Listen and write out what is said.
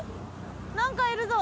何かいるぞ。